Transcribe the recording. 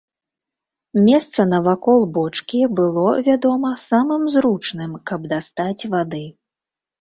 Месца навакол бочкі было, вядома, самым зручным, каб дастаць вады.